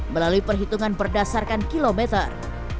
melalui perhitungan berdasarkan kilometer